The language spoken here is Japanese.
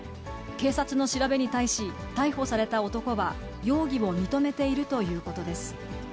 警察の調べに対し、逮捕された男は容疑を認めているということです。